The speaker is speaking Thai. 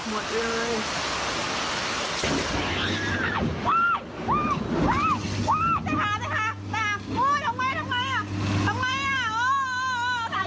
โหทำไมทำไม